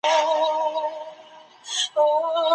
هر دولت له بیلابیلو مرحلو څخه تیریږي.